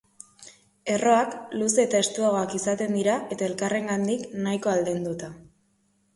Erroak luze eta estuagoak izaten dira, eta elkarrengandik nahiko aldenduta.